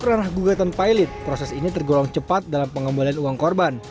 karena gugatan pilot proses ini tergolong cepat dalam pengembalian uang korban